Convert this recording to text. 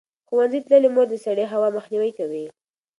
ښوونځې تللې مور د سړې هوا مخنیوی کوي.